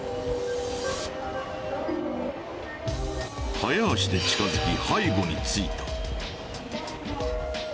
早足で近づき背後についた。